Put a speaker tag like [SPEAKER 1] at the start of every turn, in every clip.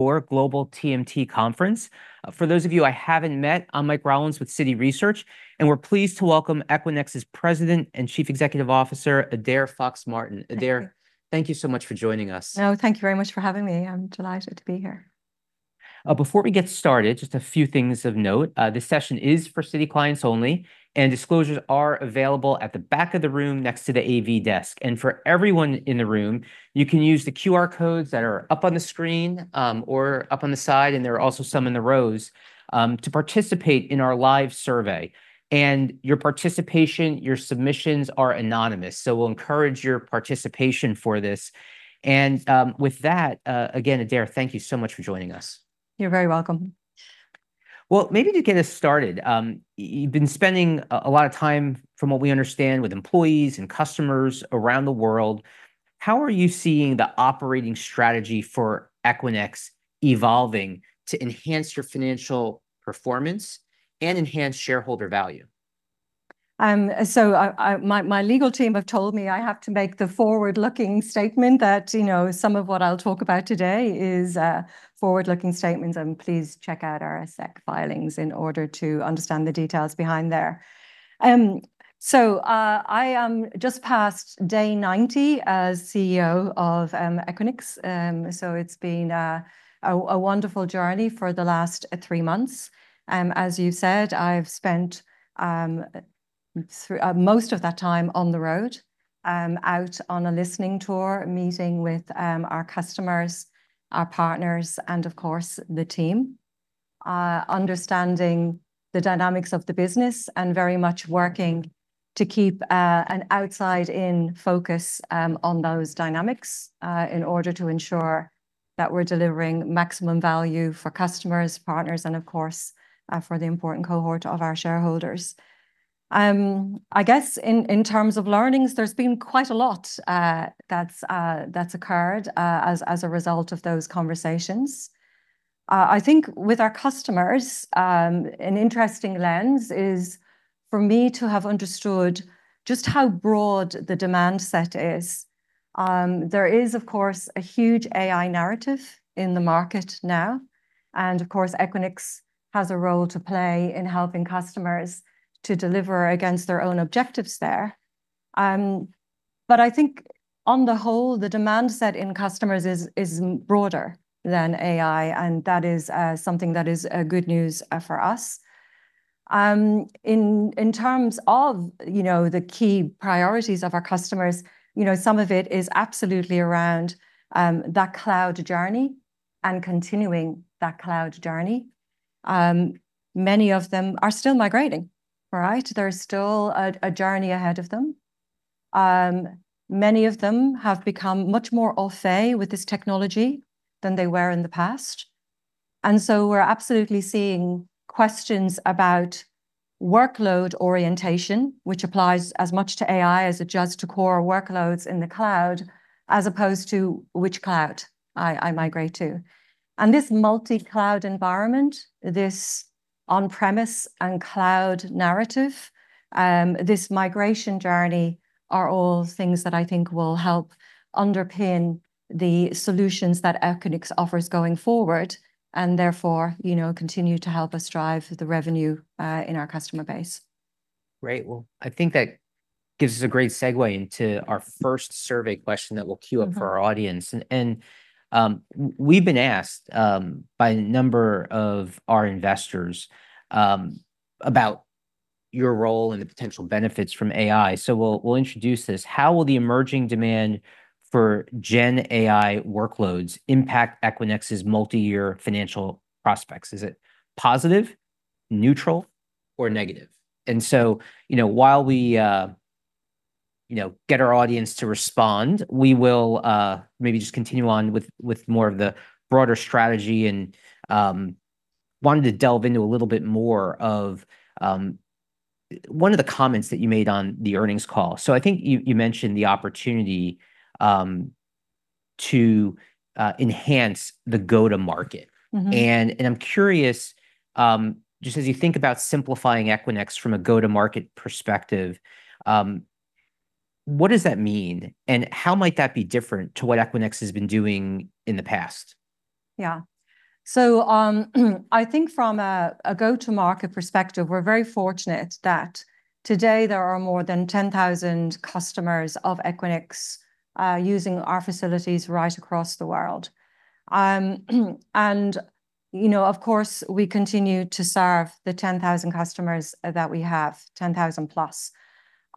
[SPEAKER 1] Our Global TMT Conference. For those of you I haven't met, I'm Mike Rollins with Citi Research, and we're pleased to welcome Equinix's President and Chief Executive Officer, Adaire Fox-Martin.
[SPEAKER 2] Thank you.
[SPEAKER 1] Adaire, thank you so much for joining us.
[SPEAKER 2] Oh, thank you very much for having me. I'm delighted to be here.
[SPEAKER 1] Before we get started, just a few things of note. This session is for Citi clients only, and disclosures are available at the back of the room next to the AV desk. And for everyone in the room, you can use the QR codes that are up on the screen, or up on the side, and there are also some in the rows, to participate in our live survey. And your participation, your submissions are anonymous, so we'll encourage your participation for this. And, with that, again, Adaire, thank you so much for joining us.
[SPEAKER 2] You're very welcome.
[SPEAKER 1] Maybe to get us started, you've been spending a lot of time, from what we understand, with employees and customers around the world. How are you seeing the operating strategy for Equinix evolving to enhance your financial performance and enhance shareholder value?
[SPEAKER 2] So my legal team have told me I have to make the forward-looking statement that, you know, some of what I'll talk about today is forward-looking statements, and please check out our SEC filings in order to understand the details behind there. I am just past day 90 as CEO of Equinix. It's been a wonderful journey for the last three months. As you said, I've spent most of that time on the road out on a listening tour, meeting with our customers, our partners, and of course, the team. Understanding the dynamics of the business and very much working to keep an outside-in focus on those dynamics in order to ensure that we're delivering maximum value for customers, partners, and of course, for the important cohort of our shareholders. I guess in terms of learnings, there's been quite a lot that's occurred as a result of those conversations. I think with our customers, an interesting lens is for me to have understood just how broad the demand set is. There is, of course, a huge AI narrative in the market now, and of course, Equinix has a role to play in helping customers to deliver against their own objectives there. But I think on the whole, the demand sentiment in customers is broader than AI, and that is something that is good news for us. In terms of, you know, the key priorities of our customers, you know, some of it is absolutely around that cloud journey and continuing that cloud journey. Many of them are still migrating, right? There's still a journey ahead of them. Many of them have become much more au fait with this technology than they were in the past, and so we're absolutely seeing questions about workload orientation, which applies as much to AI as it does to core workloads in the cloud, as opposed to which cloud I migrate to. This multi-cloud environment, this on-premise and cloud narrative, this migration journey, are all things that I think will help underpin the solutions that Equinix offers going forward, and therefore, you know, continue to help us drive the revenue in our customer base.
[SPEAKER 1] Great. I think that gives us a great segue into our first survey question that we'll queue up.... for our audience. We've been asked by a number of our investors about your role and the potential benefits from AI. So we'll introduce this. How will the emerging demand for Gen AI workloads impact Equinix's multi-year financial prospects? Is it positive, neutral, or negative? And so, you know, while we, you know, get our audience to respond, we will maybe just continue on with more of the broader strategy, and wanted to delve into a little bit more of one of the comments that you made on the earnings call. So I think you mentioned the opportunity to enhance the go-to-market. I'm curious, just as you think about simplifying Equinix from a go-to-market perspective, what does that mean, and how might that be different to what Equinix has been doing in the past?
[SPEAKER 2] Yeah. So, I think from a go-to-market perspective, we're very fortunate that today there are more than 10,000 customers of Equinix, using our facilities right across the world. And, you know, of course, we continue to serve the 10,000 customers that we have, 10,000 plus.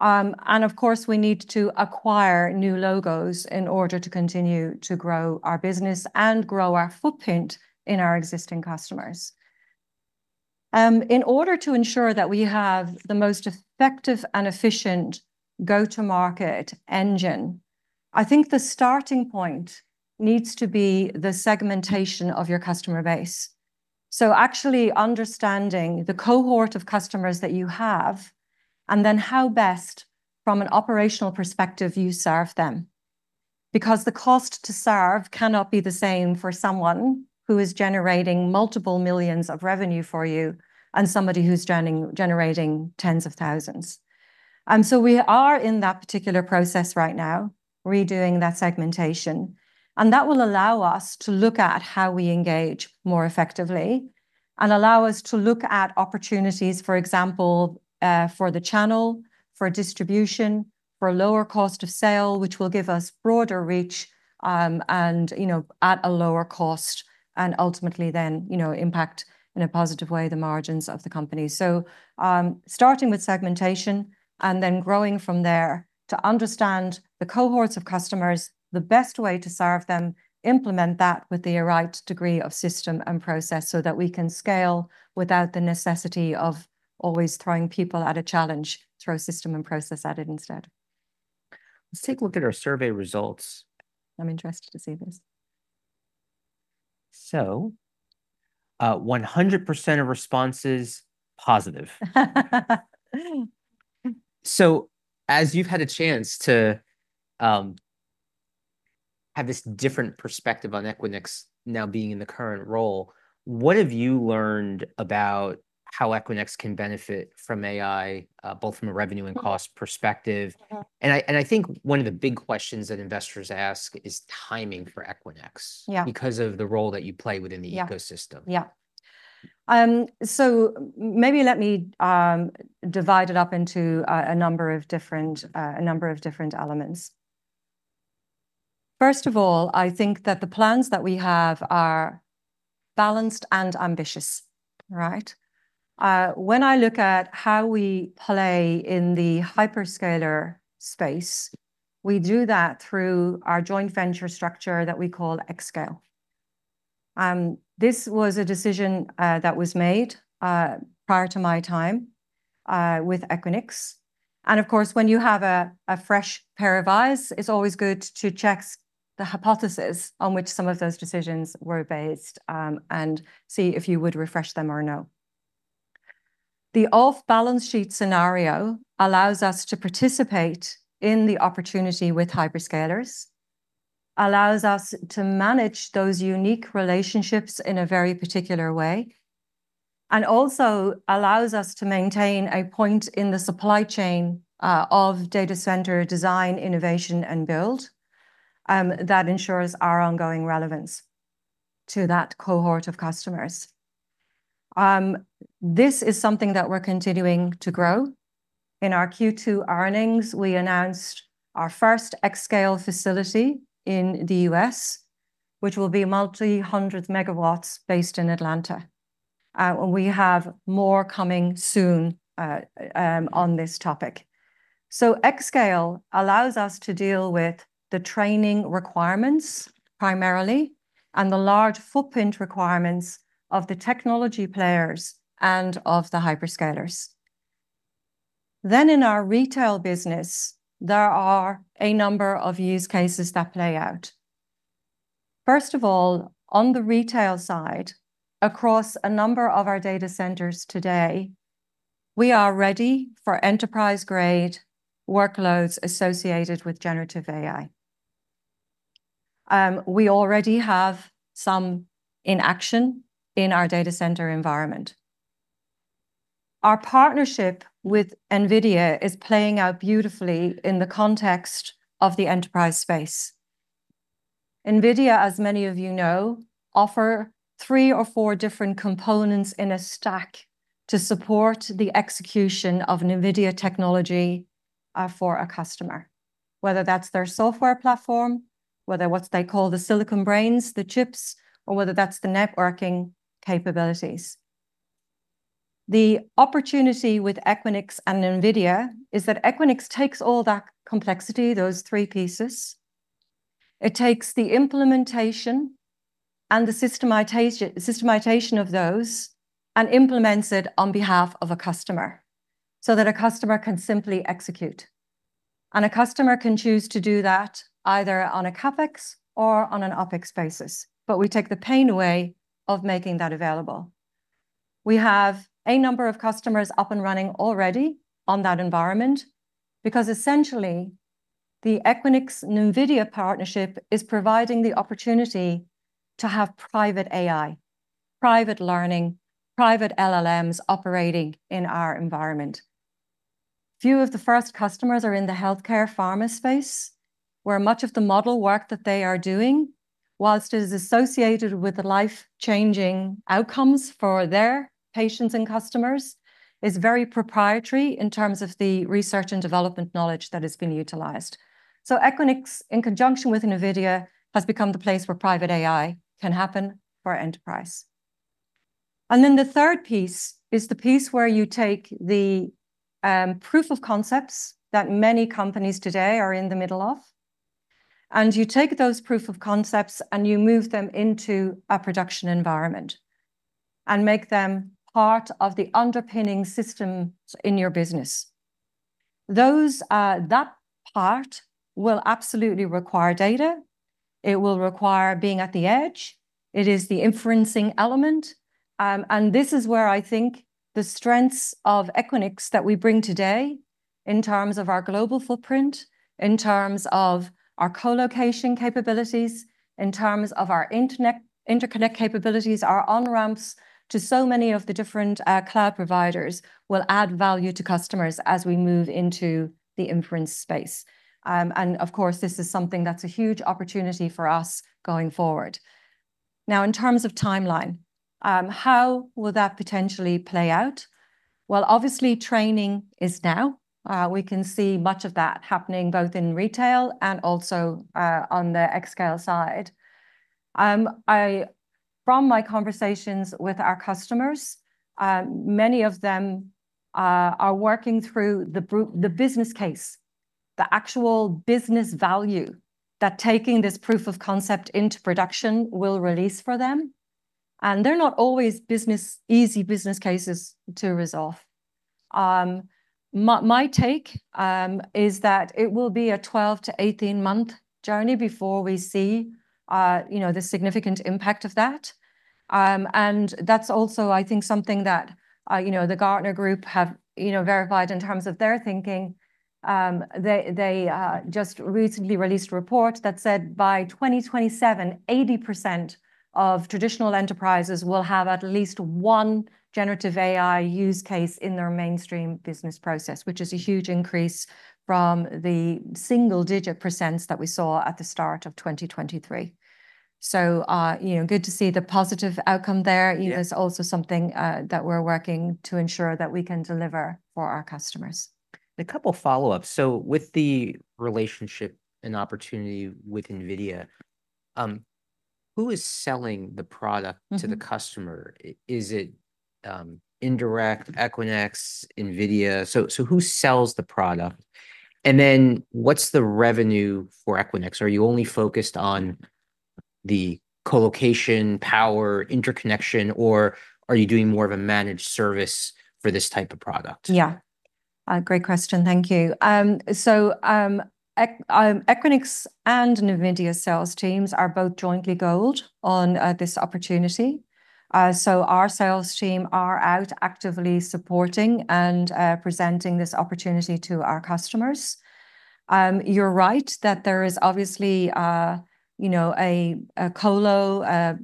[SPEAKER 2] And of course, we need to acquire new logos in order to continue to grow our business and grow our footprint in our existing customers. In order to ensure that we have the most effective and efficient go-to-market engine, I think the starting point needs to be the segmentation of your customer base, so actually understanding the cohort of customers that you have, and then how best, from an operational perspective, you serve them. Because the cost to serve cannot be the same for someone who is generating multiple millions of revenue for you and somebody who's generating tens of thousands. And so we are in that particular process right now, redoing that segmentation, and that will allow us to look at how we engage more effectively and allow us to look at opportunities, for example, for the channel, for distribution, for lower cost of sale, which will give us broader reach, and, you know, at a lower cost, and ultimately then, you know, impact in a positive way the margins of the company. So, starting with segmentation and then growing from there to understand the cohorts of customers, the best way to serve them, implement that with the right degree of system and process, so that we can scale without the necessity of always throwing people at a challenge. Throw system and process at it instead.
[SPEAKER 1] Let's take a look at our survey results.
[SPEAKER 2] I'm interested to see this.
[SPEAKER 1] So, 100% of responses, positive. So as you've had a chance to have this different perspective on Equinix now being in the current role, what have you learned about how Equinix can benefit from AI, both from a revenue and cost perspective? I think one of the big questions that investors ask is timing for Equinix-
[SPEAKER 2] Yeah...
[SPEAKER 1] because of the role that you play within the ecosystem.
[SPEAKER 2] Yeah. Yeah. So maybe let me divide it up into a number of different elements. First of all, I think that the plans that we have are balanced and ambitious, right? When I look at how we play in the hyperscaler space, we do that through our joint venture structure that we call xScale. This was a decision that was made prior to my time with Equinix, and of course, when you have a fresh pair of eyes, it's always good to check the hypothesis on which some of those decisions were based, and see if you would refresh them or no. The off-balance sheet scenario allows us to participate in the opportunity with hyperscalers, allows us to manage those unique relationships in a very particular way, and also allows us to maintain a point in the supply chain, of data center design, innovation, and build, that ensures our ongoing relevance to that cohort of customers. This is something that we're continuing to grow. In our Q2 earnings, we announced our first xScale facility in the US, which will be multi-hundred megawatts based in Atlanta, and we have more coming soon, on this topic. So xScale allows us to deal with the training requirements primarily, and the large footprint requirements of the technology players and of the hyperscalers. Then, in our retail business, there are a number of use cases that play out. First of all, on the retail side, across a number of our data centers today, we are ready for enterprise-grade workloads associated with generative AI. We already have some in action in our data center environment. Our partnership with NVIDIA is playing out beautifully in the context of the enterprise space. NVIDIA, as many of you know, offer three or four different components in a stack to support the execution of NVIDIA technology, for a customer, whether that's their software platform, whether what they call the silicon brains, the chips, or whether that's the networking capabilities. The opportunity with Equinix and NVIDIA is that Equinix takes all that complexity, those three pieces. It takes the implementation and the systematization of those, and implements it on behalf of a customer, so that a customer can simply execute. A customer can choose to do that either on a CapEx or on an OpEx basis, but we take the pain away of making that available. We have a number of customers up and running already on that environment, because essentially, the Equinix-NVIDIA partnership is providing the opportunity to have private AI, private learning, private LLMs operating in our environment. Few of the first customers are in the healthcare pharma space, where much of the model work that they are doing, while it is associated with the life-changing outcomes for their patients and customers, is very proprietary in terms of the research and development knowledge that is being utilized. Equinix, in conjunction with NVIDIA, has become the place where private AI can happen for enterprise. And then the third piece is the piece where you take the proof of concepts that many companies today are in the middle of, and you take those proof of concepts, and you move them into a production environment and make them part of the underpinning systems in your business. Those, that part will absolutely require data. It will require being at the edge. It is the inferencing element, and this is where I think the strengths of Equinix that we bring today, in terms of our global footprint, in terms of our colocation capabilities, in terms of our interconnect capabilities, our on-ramps to so many of the different cloud providers, will add value to customers as we move into the inference space. And of course, this is something that's a huge opportunity for us going forward. Now, in terms of timeline, how will that potentially play out? Well, obviously, training is now. We can see much of that happening both in retail and also on the xScale side. From my conversations with our customers, many of them are working through the business case, the actual business value that taking this proof of concept into production will release for them, and they're not always easy business cases to resolve. My take is that it will be a 12-18-month journey before we see the significant impact of that. And that's also, I think, something that the Gartner Group have verified in terms of their thinking. They just recently released a report that said by 2027, 80% of traditional enterprises will have at least one generative AI use case in their mainstream business process, which is a huge increase from the single-digit % that we saw at the start of 2023. So, you know, good to see the positive outcome there.
[SPEAKER 1] Yeah.
[SPEAKER 2] - is also something that we're working to ensure that we can deliver for our customers.
[SPEAKER 1] A couple follow-ups. So with the relationship and opportunity with NVIDIA, who is selling the product-... to the customer? Is it indirect, Equinix, NVIDIA? So who sells the product, and then what's the revenue for Equinix? Are you only focused on the colocation, power, interconnection, or are you doing more of a managed service for this type of product?
[SPEAKER 2] Yeah. A great question, thank you. So, Equinix and NVIDIA sales teams are both jointly goaled on this opportunity. So our sales team are out actively supporting and presenting this opportunity to our customers. You're right, that there is obviously, you know, a colo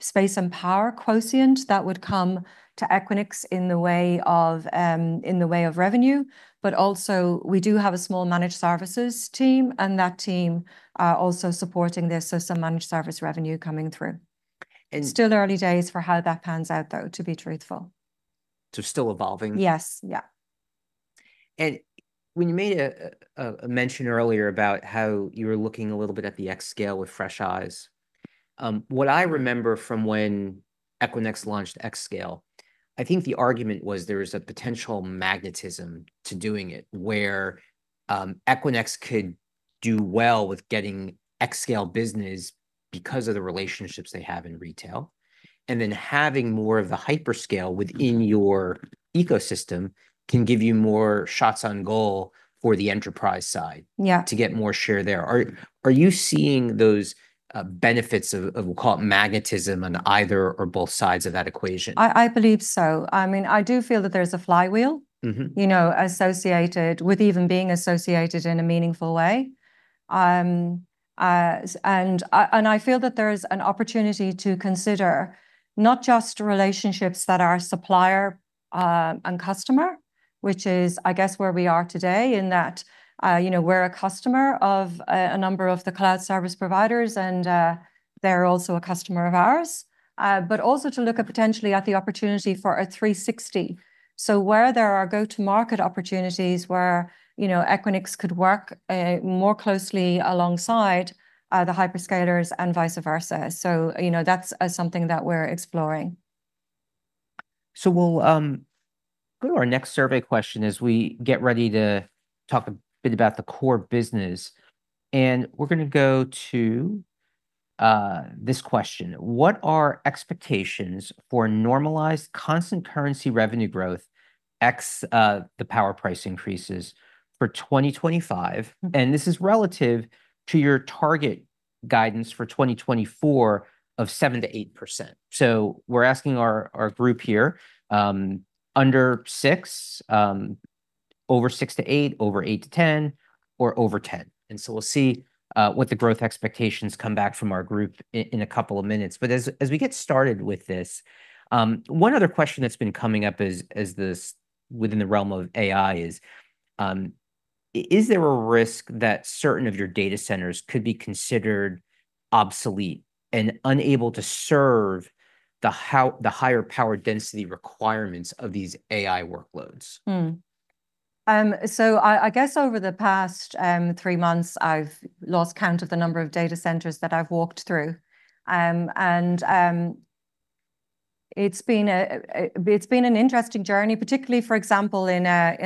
[SPEAKER 2] space and power requirement that would come to Equinix in the way of, in the way of revenue, but also we do have a small managed services team, and that team are also supporting their system managed service revenue coming through.
[SPEAKER 1] And-
[SPEAKER 2] It's still early days for how that pans out, though, to be truthful.
[SPEAKER 1] So still evolving?
[SPEAKER 2] Yes. Yeah.
[SPEAKER 1] And when you made a mention earlier about how you were looking a little bit at the xScale with fresh eyes, what I remember from when Equinix launched xScale, I think the argument was there is a potential magnetism to doing it, where Equinix could do well with getting xScale business because of the relationships they have in retail. And then having more of the hyperscale within your ecosystem can give you more shots on goal for the enterprise side.
[SPEAKER 2] Yeah...
[SPEAKER 1] to get more share there. Are you seeing those benefits of, we'll call it magnetism, on either or both sides of that equation?
[SPEAKER 2] I believe so. I mean, I do feel that there's a flywheel-... you know, associated with even being associated in a meaningful way. And I feel that there is an opportunity to consider not just relationships that are supplier and customer, which is, I guess, where we are today, in that you know, we're a customer of a number of the cloud service providers and they're also a customer of ours. But also to look at potentially the opportunity for a 360. So where there are go-to-market opportunities where you know, Equinix could work more closely alongside the hyperscalers and vice versa. So you know, that's something that we're exploring.
[SPEAKER 1] So we'll go to our next survey question as we get ready to talk a bit about the core business, and we're gonna go to this question: What are expectations for normalized constant currency revenue growth, ex the power price increases for 2025? This is relative to your target guidance for 2024 of 7%-8%. We're asking our group here under 6%, over 6%-8%, over 8%-10%, or over 10%. We'll see what the growth expectations come back from our group in a couple of minutes. As we get started with this, one other question that's been coming up is: within the realm of AI, is there a risk that certain of your data centers could be considered obsolete and unable to serve the higher power density requirements of these AI workloads?
[SPEAKER 2] So I guess over the past three months, I've lost count of the number of data centers that I've walked through, and it's been an interesting journey, particularly, for example, in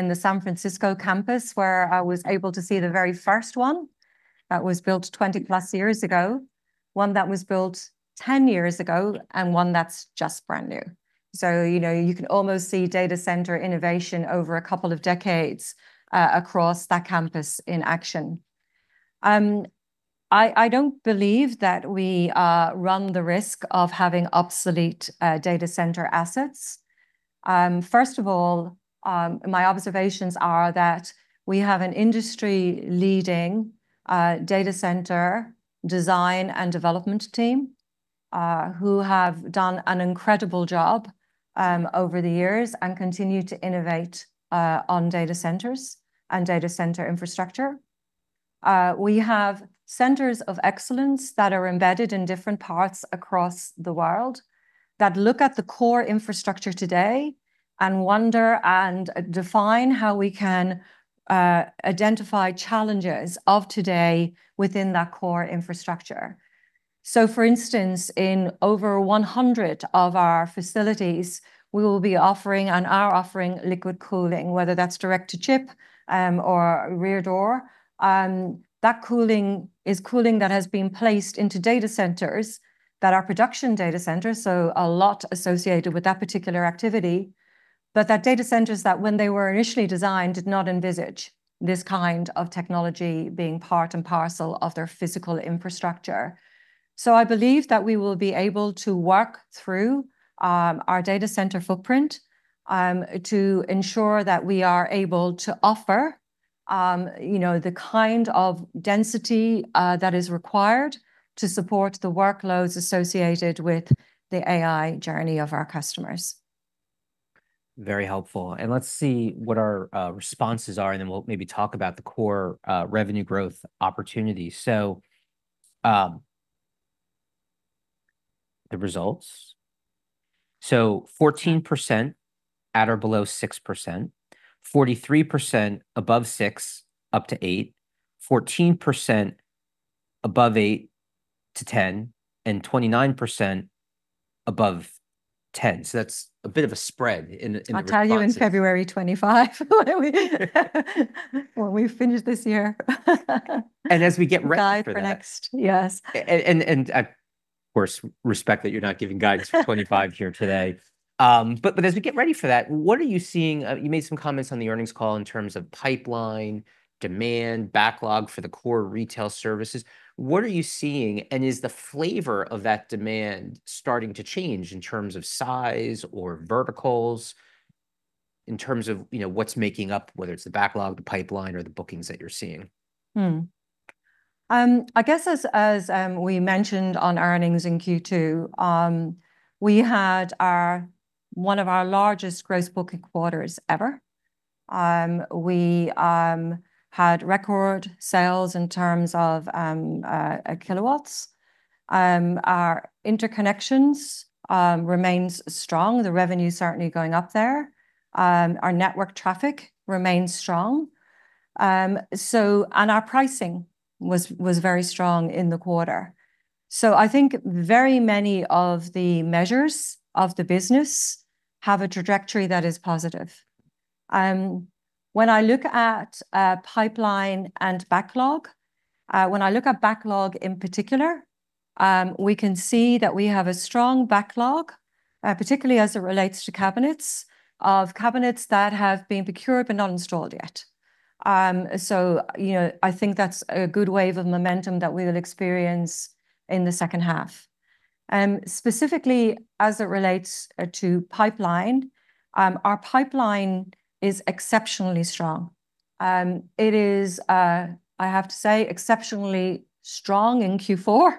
[SPEAKER 2] the San Francisco campus, where I was able to see the very first one that was built 20-plus years ago, one that was built 10 years ago, and one that's just brand new, so you know, you can almost see data center innovation over a couple of decades across that campus in action. I don't believe that we run the risk of having obsolete data center assets. First of all, my observations are that we have an industry-leading data center design and development team who have done an incredible job over the years and continue to innovate on data centers and data center infrastructure. We have centers of excellence that are embedded in different parts across the world that look at the core infrastructure today and wonder and define how we can identify challenges of today within that core infrastructure. So for instance, in over 100 of our facilities, we will be offering, and are offering, liquid cooling, whether that's direct to chip or rear door. That cooling is cooling that has been placed into data centers that are production data centers, so a lot associated with that particular activity. But that data centers that when they were initially designed, did not envisage this kind of technology being part and parcel of their physical infrastructure. So I believe that we will be able to work through, our data center footprint, to ensure that we are able to offer, you know, the kind of density, that is required to support the workloads associated with the AI journey of our customers.
[SPEAKER 1] Very helpful. And let's see what our responses are, and then we'll maybe talk about the core revenue growth opportunities. So, the results. So 14% at or below 6%, 43% above 6% up to 8%, 14% above 8% to 10%, and 29% above 10%. So that's a bit of a spread in the responses.
[SPEAKER 2] I'll tell you in February 2025, when we've finished this year.
[SPEAKER 1] As we get ready for that-
[SPEAKER 2] Guide for next, yes.
[SPEAKER 1] I, of course, respect that you're not giving guidance for 2025 here today. But as we get ready for that, what are you seeing? You made some comments on the earnings call in terms of pipeline, demand, backlog for the core retail services. What are you seeing, and is the flavor of that demand starting to change in terms of size or verticals, in terms of, you know, what's making up, whether it's the backlog, the pipeline, or the bookings that you're seeing?
[SPEAKER 2] I guess as we mentioned on earnings in Q2, we had one of our largest gross booking quarters ever. We had record sales in terms of kilowatts. Our interconnections remains strong. The revenue's certainly going up there. Our network traffic remains strong. And our pricing was very strong in the quarter. So I think very many of the measures of the business have a trajectory that is positive. When I look at pipeline and backlog, when I look at backlog, in particular, we can see that we have a strong backlog, particularly as it relates to cabinets, of cabinets that have been procured but not installed yet. So, you know, I think that's a good wave of momentum that we will experience in the second half. Specifically as it relates to pipeline, our pipeline is exceptionally strong. It is, I have to say, exceptionally strong in Q4.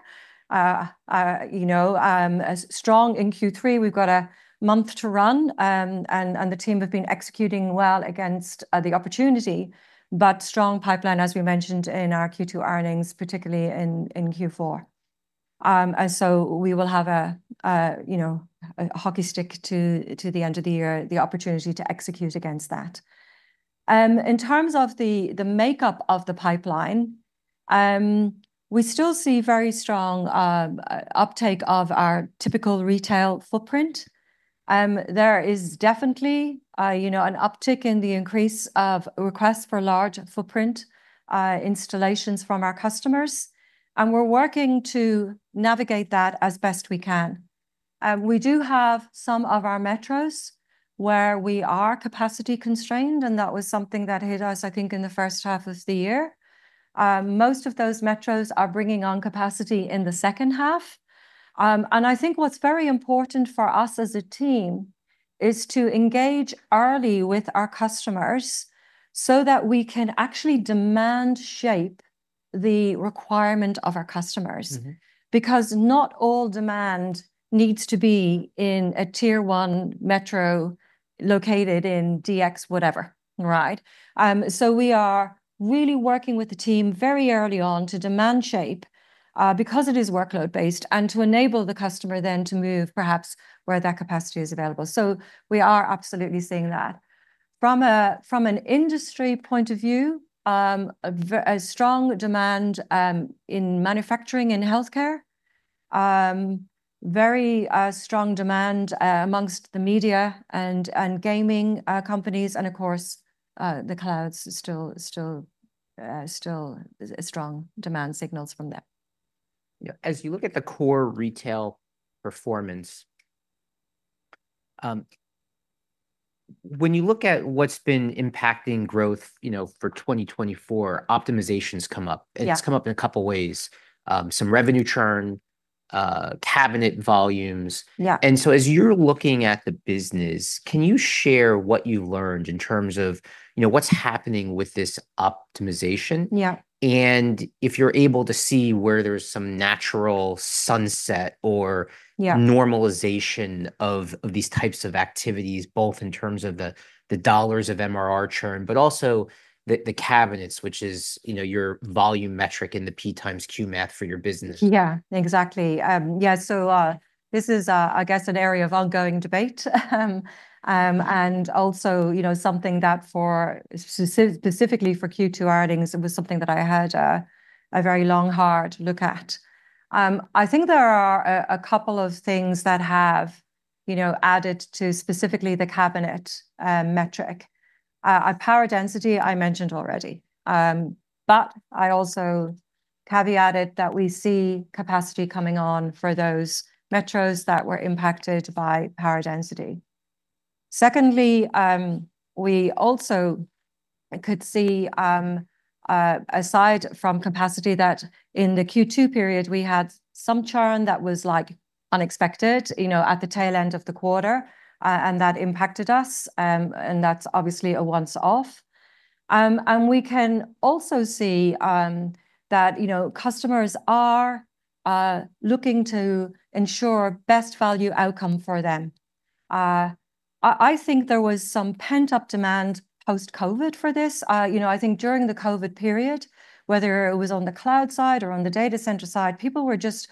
[SPEAKER 2] You know, as strong in Q3, we've got a month to run, and the team have been executing well against the opportunity, but strong pipeline, as we mentioned in our Q2 earnings, particularly in Q4, and so we will have, you know, a hockey stick to the end of the year, the opportunity to execute against that. In terms of the makeup of the pipeline, we still see very strong uptake of our typical retail footprint. There is definitely, you know, an uptick in the increase of requests for large footprint installations from our customers, and we're working to navigate that as best we can. We do have some of our metros where we are capacity constrained, and that was something that hit us, I think, in the first half of the year. Most of those metros are bringing on capacity in the second half, and I think what's very important for us as a team is to engage early with our customers so that we can actually demand shape the requirement of our customers. Because not all demand needs to be in a Tier 1 metro located in DX whatever, right? So we are really working with the team very early on to demand shape, because it is workload-based, and to enable the customer then to move, perhaps, where that capacity is available. So we are absolutely seeing that. From an industry point of view, a very strong demand in manufacturing and healthcare. Very strong demand amongst the media and gaming companies, and of course, the clouds still strong demand signals from them.
[SPEAKER 1] Yeah. As you look at the core retail performance, when you look at what's been impacting growth, you know, for 2024, optimization's come up.
[SPEAKER 2] Yeah.
[SPEAKER 1] It's come up in a couple of ways. Some revenue churn, cabinet volumes.
[SPEAKER 2] Yeah.
[SPEAKER 1] As you're looking at the business, can you share what you learned in terms of, you know, what's happening with this optimization?
[SPEAKER 2] Yeah.
[SPEAKER 1] And if you're able to see where there's some natural sunset or-
[SPEAKER 2] Yeah...
[SPEAKER 1] normalization of these types of activities, both in terms of the dollars of MRR churn, but also the cabinets, which is, you know, your volume metric in the P times Q math for your business.
[SPEAKER 2] Yeah, exactly. Yeah, so this is, I guess, an area of ongoing debate. And also, you know, something that for specifically for Q2 earnings, it was something that I had a very long, hard look at. I think there are a couple of things that have, you know, added to specifically the cabinet metric. Power density, I mentioned already. But I also caveated that we see capacity coming on for those metros that were impacted by power density. Secondly, we also could see, aside from capacity, that in the Q2 period, we had some churn that was, like, unexpected, you know, at the tail end of the quarter. And that impacted us, and that's obviously a once off. And we can also see that, you know, customers are looking to ensure best value outcome for them. I think there was some pent-up demand post-COVID for this. You know, I think during the COVID period, whether it was on the cloud side or on the data center side, people were just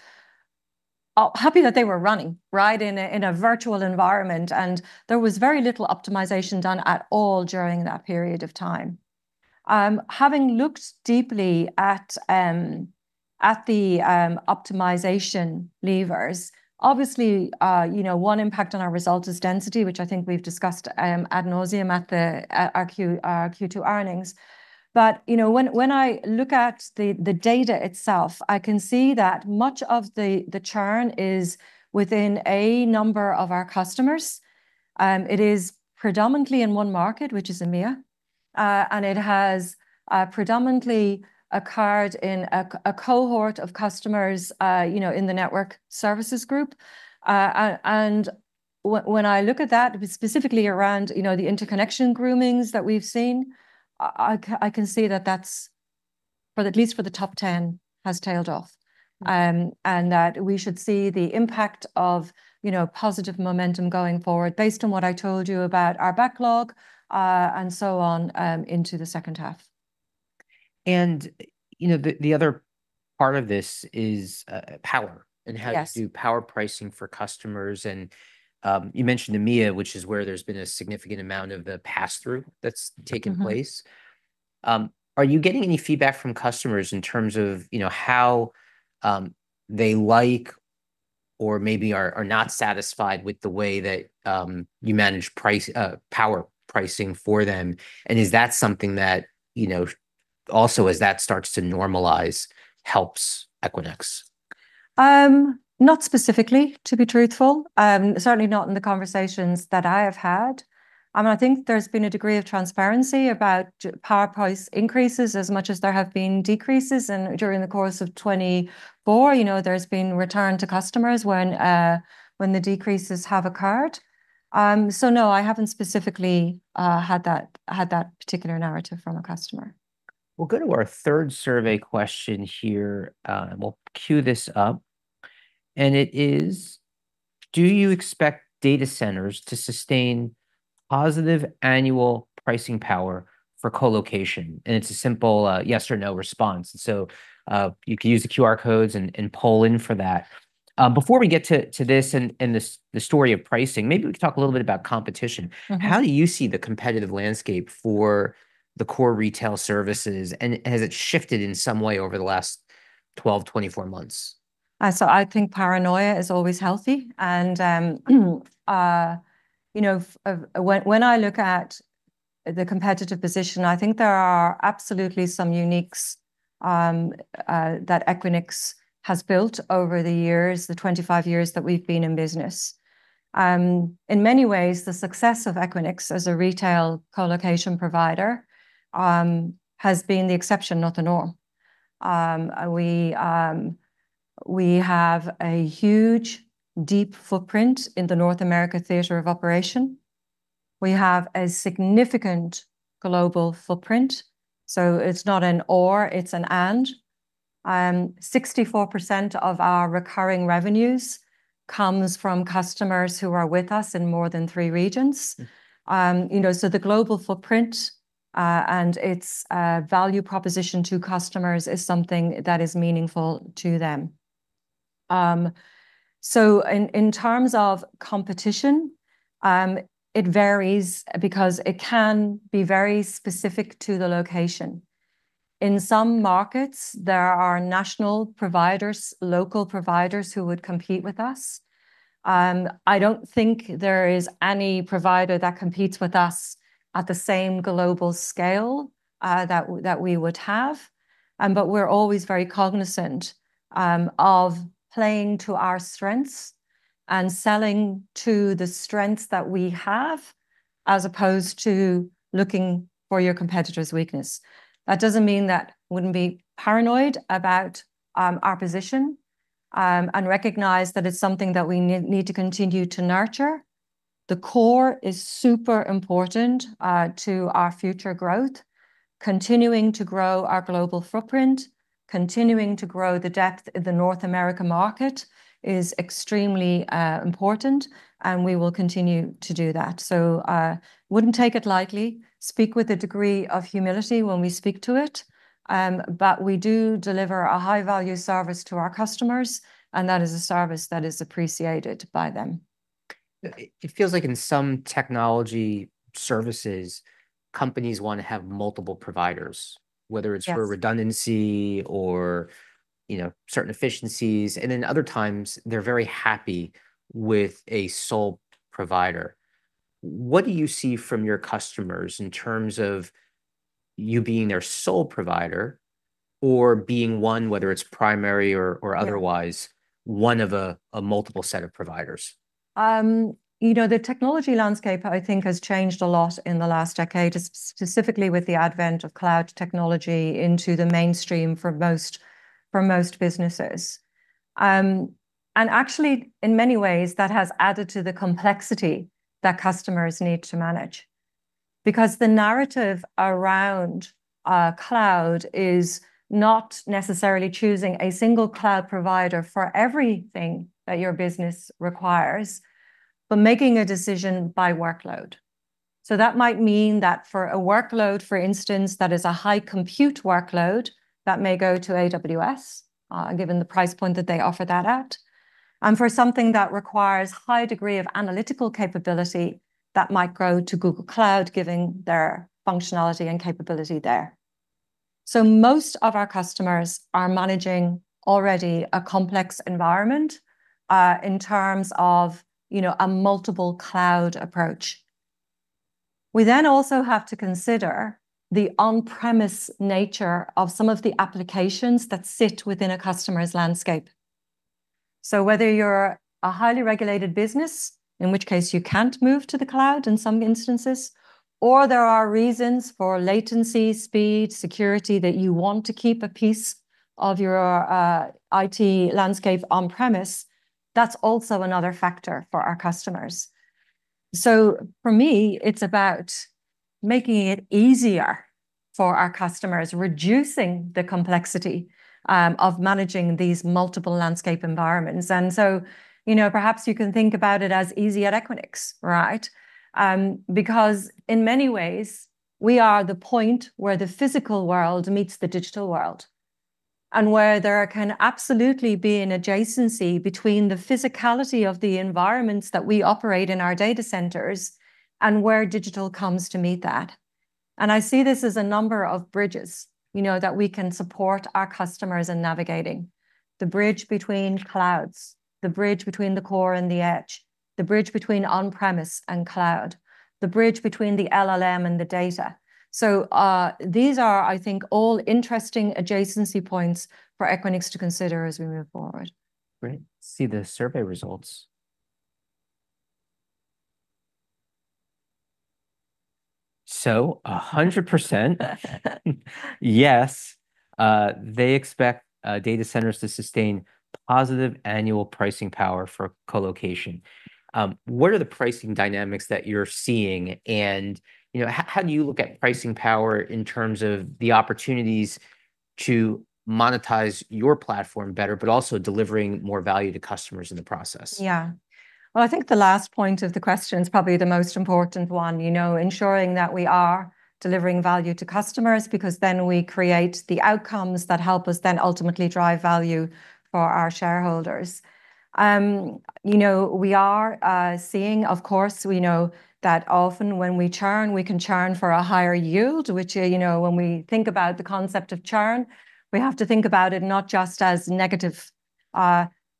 [SPEAKER 2] happy that they were running, right, in a virtual environment, and there was very little optimization done at all during that period of time. Having looked deeply at the optimization levers, obviously, you know, one impact on our result is density, which I think we've discussed ad nauseam at our Q2 earnings. But you know when I look at the data itself I can see that much of the churn is within a number of our customers. It is predominantly in one market which is EMEA and it has predominantly occurred in a cohort of customers you know in the network services group. And when I look at that specifically around you know the interconnection groomings that we've seen I can see that that's but at least for the top 10 has tailed off. And that we should see the impact of you know positive momentum going forward based on what I told you about our backlog and so on into the second half.
[SPEAKER 1] You know, the other part of this is power-
[SPEAKER 2] Yes...
[SPEAKER 1] and how to do power pricing for customers. And, you mentioned EMEA, which is where there's been a significant amount of the pass-through that's taking place. Are you getting any feedback from customers in terms of, you know, how they like or maybe are not satisfied with the way that you manage pricing, power pricing for them? Is that something that, you know, also, as that starts to normalize, helps Equinix?
[SPEAKER 2] Not specifically, to be truthful. Certainly not in the conversations that I have had. I think there's been a degree of transparency about power price increases as much as there have been decreases, and during the course of 2024, you know, there's been return to customers when the decreases have occurred. So no, I haven't specifically had that particular narrative from a customer.
[SPEAKER 1] We'll go to our third survey question here, and we'll queue this up, and it is: Do you expect data centers to sustain positive annual pricing power for colocation? And it's a simple, yes or no response. So, you can use the QR codes and poll in for that. Before we get to this and the story of pricing, maybe we could talk a little bit about competition. How do you see the competitive landscape for the core retail services, and has it shifted in some way over the last twelve, twenty-four months?
[SPEAKER 2] So I think paranoia is always healthy, and, you know, when I look at the competitive position, I think there are absolutely some uniques that Equinix has built over the years, the twenty-five years that we've been in business. In many ways, the success of Equinix as a retail colocation provider has been the exception, not the norm. We have a huge, deep footprint in the North America theater of operation. We have a significant global footprint, so it's not an or, it's an and. 64% of our recurring revenues comes from customers who are with us in more than three regions. You know, so the global footprint and its value proposition to customers is something that is meaningful to them. So in terms of competition, it varies because it can be very specific to the location. In some markets, there are national providers, local providers who would compete with us. I don't think there is any provider that competes with us at the same global scale that we would have, but we're always very cognizant of playing to our strengths and selling to the strengths that we have, as opposed to looking for your competitor's weakness. That doesn't mean that wouldn't be paranoid about our position and recognize that it's something that we need to continue to nurture. The core is super important to our future growth. Continuing to grow our global footprint, continuing to grow the depth of the North America market is extremely important, and we will continue to do that. So, I wouldn't take it lightly. Speak with a degree of humility when we speak to it, but we do deliver a high-value service to our customers, and that is a service that is appreciated by them.
[SPEAKER 1] It feels like in some technology services, companies want to have multiple providers, whether it's-
[SPEAKER 2] Yes...
[SPEAKER 1] for redundancy or, you know, certain efficiencies, and then other times they're very happy with a sole provider. What do you see from your customers in terms of you being their sole provider or being one, whether it's primary or, or otherwise-
[SPEAKER 2] Yeah...
[SPEAKER 1] one of a multiple set of providers?
[SPEAKER 2] You know, the technology landscape, I think, has changed a lot in the last decade, specifically with the advent of cloud technology into the mainstream for most, for most businesses. And actually, in many ways, that has added to the complexity that customers need to manage, because the narrative around cloud is not necessarily choosing a single cloud provider for everything that your business requires, but making a decision by workload. So that might mean that for a workload, for instance, that is a high compute workload, that may go to AWS, given the price point that they offer that at, and for something that requires high degree of analytical capability, that might go to Google Cloud, given their functionality and capability there. So most of our customers are managing already a complex environment, in terms of, you know, a multiple cloud approach. We then also have to consider the on-premise nature of some of the applications that sit within a customer's landscape. So whether you're a highly regulated business, in which case you can't move to the cloud in some instances, or there are reasons for latency, speed, security, that you want to keep a piece of your IT landscape on-premise, that's also another factor for our customers. So for me, it's about making it easier for our customers, reducing the complexity of managing these multiple landscape environments. And so, you know, perhaps you can think about it as easy at Equinix, right? Because in many ways, we are the point where the physical world meets the digital world, and where there can absolutely be an adjacency between the physicality of the environments that we operate in our data centers and where digital comes to meet that. I see this as a number of bridges, you know, that we can support our customers in navigating. The bridge between clouds, the bridge between the core and the edge, the bridge between on-premise and cloud, the bridge between the LLM and the data. So, these are, I think, all interesting adjacency points for Equinix to consider as we move forward.
[SPEAKER 1] Great. See the survey results. So 100% - yes, they expect data centers to sustain positive annual pricing power for colocation. What are the pricing dynamics that you're seeing? And, you know, how do you look at pricing power in terms of the opportunities to monetize your platform better, but also delivering more value to customers in the process?
[SPEAKER 2] Yeah. Well, I think the last point of the question is probably the most important one, you know, ensuring that we are delivering value to customers, because then we create the outcomes that help us then ultimately drive value for our shareholders. You know, of course, we know that often when we churn, we can churn for a higher yield, which, you know, when we think about the concept of churn, we have to think about it not just as negative.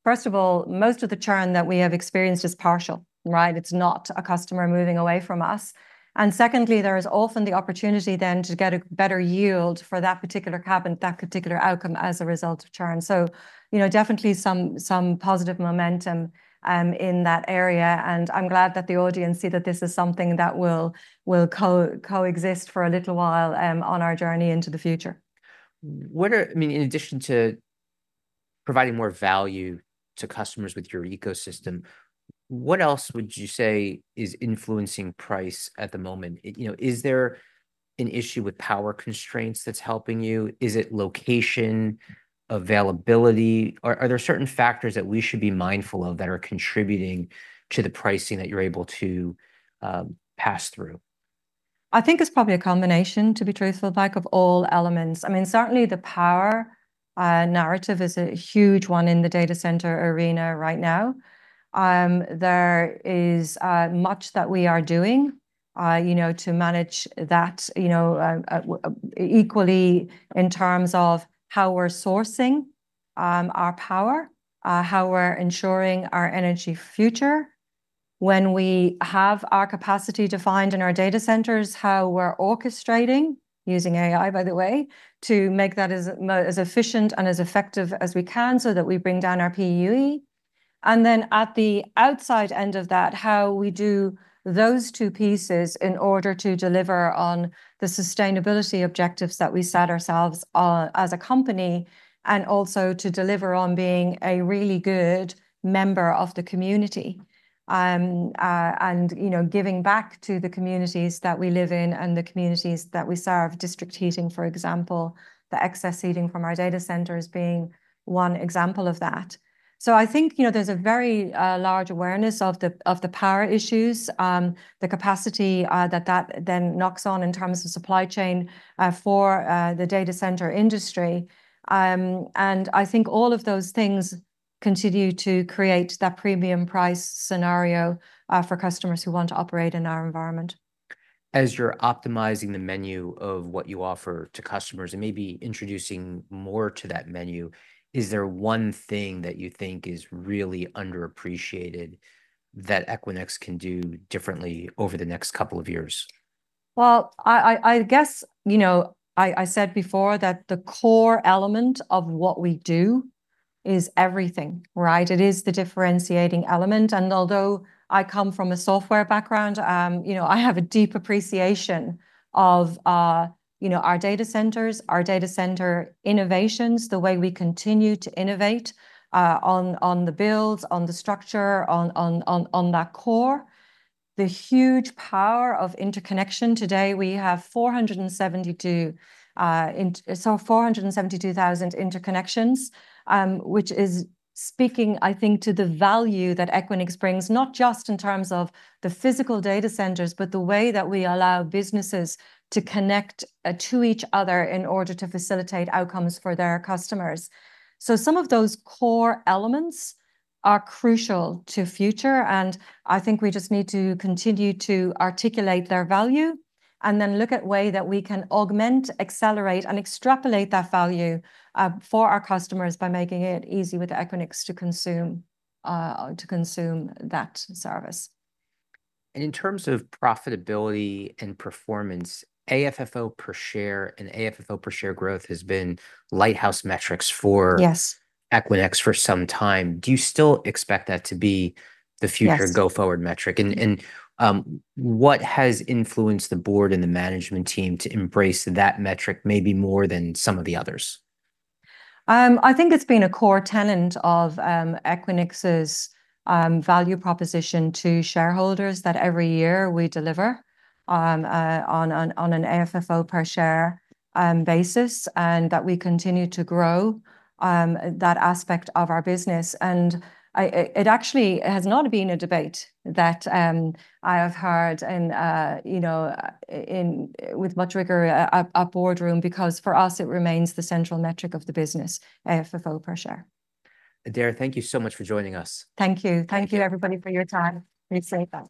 [SPEAKER 2] First of all, most of the churn that we have experienced is partial, right? It's not a customer moving away from us. And secondly, there is often the opportunity then to get a better yield for that particular cabinet, that particular outcome, as a result of churn. You know, definitely some positive momentum in that area, and I'm glad that the audience see that this is something that will coexist for a little while on our journey into the future.
[SPEAKER 1] What are... I mean, in addition to providing more value to customers with your ecosystem, what else would you say is influencing price at the moment? You know, is there an issue with power constraints that's helping you? Is it location, availability? Are there certain factors that we should be mindful of that are contributing to the pricing that you're able to pass through?
[SPEAKER 2] I think it's probably a combination, to be truthful, Mike, of all elements. I mean, certainly, the power narrative is a huge one in the data center arena right now. There is much that we are doing, you know, to manage that, you know, equally in terms of how we're sourcing our power, how we're ensuring our energy future when we have our capacity defined in our data centers, how we're orchestrating, using AI by the way, to make that as efficient and as effective as we can so that we bring down our PUE. Then at the outside end of that, how we do those two pieces in order to deliver on the sustainability objectives that we set ourselves, as a company, and also to deliver on being a really good member of the community. You know, giving back to the communities that we live in and the communities that we serve. District heating, for example, the excess heating from our data centers being one example of that. So I think, you know, there's a very large awareness of the power issues, the capacity that then knocks on in terms of supply chain for the data center industry. I think all of those things continue to create that premium price scenario for customers who want to operate in our environment.
[SPEAKER 1] As you're optimizing the menu of what you offer to customers and maybe introducing more to that menu, is there one thing that you think is really underappreciated that Equinix can do differently over the next couple of years?
[SPEAKER 2] I guess, you know, I said before that the core element of what we do is everything, right? It is the differentiating element, and although I come from a software background, you know, I have a deep appreciation of, you know, our data centers, our data center innovations, the way we continue to innovate on the builds, on the structure, on that core. The huge power of interconnection. Today we have 472,000 interconnections, which is speaking, I think, to the value that Equinix brings, not just in terms of the physical data centers, but the way that we allow businesses to connect to each other in order to facilitate outcomes for their customers. So some of those core elements are crucial to future, and I think we just need to continue to articulate their value and then look at way that we can augment, accelerate, and extrapolate that value for our customers by making it easy with Equinix to consume that service.
[SPEAKER 1] In terms of profitability and performance, AFFO per share and AFFO per share growth has been lighthouse metrics for-
[SPEAKER 2] Yes...
[SPEAKER 1] Equinix for some time. Do you still expect that to be the future?
[SPEAKER 2] Yes...
[SPEAKER 1] go-forward metric? And, what has influenced the board and the management team to embrace that metric maybe more than some of the others?
[SPEAKER 2] I think it's been a core tenet of Equinix's value proposition to shareholders that every year we deliver on an AFFO per share basis, and that we continue to grow that aspect of our business. It actually has not been a debate that I have heard and you know in with much rigor a boardroom, because for us, it remains the central metric of the business, AFFO per share.
[SPEAKER 1] Adaire, thank you so much for joining us.
[SPEAKER 2] Thank you. Thank you, everybody, for your time. Appreciate that.